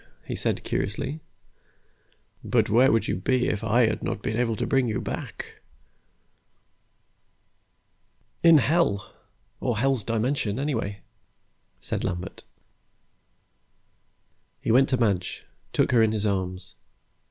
he said curiously. "But where would you be if I had not been able to bring you back?" "In Hell or Hell's Dimension, anyway," said Lambert. He went to Madge, took her in his arms.